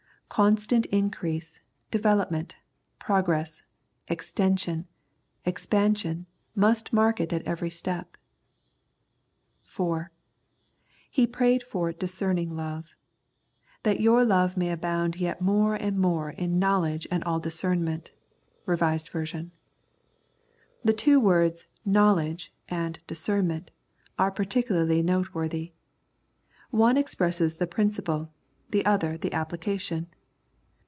Constant increase, develop ment, progress, extension, expansion, must mark it at every step. (4) He prayed for discerning love ;" that your love may abound yet more and more in knowledge and all discernment " (R.V.). The two words " knowledge " and " discernment " are particularly note worthy. One expresses the principle, the other the application.